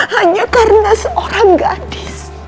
hanya karena seorang gadis